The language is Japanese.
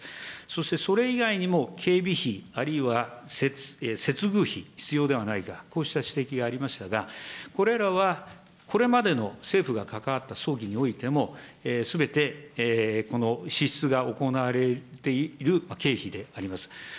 そしてそれ以外にも、警備費あるいは接遇費、必要ではないか、こうした指摘がありましたが、これらはこれまでの政府が関わった葬儀においても、すべてこの支出が行われている経費であります。